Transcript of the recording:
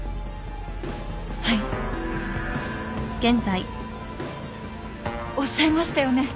はいおっしゃいましたよね？